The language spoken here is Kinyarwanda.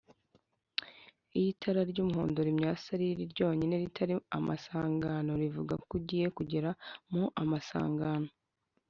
iyo itara ry’umuhondo rimyasa riri ryonyine ritari mu amasangano rivugako ugiye kugera mu amasangano